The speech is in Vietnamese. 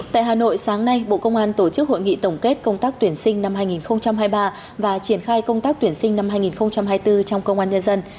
tại hà nội sáng nay bộ công an tổ chức hội nghị tổng kết công tác tuyển sinh năm hai nghìn hai mươi ba và triển khai công tác tuyển sinh năm hai nghìn hai mươi bốn trong công an nhân dân